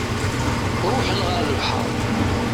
Ruḥen ɣer lebḥer.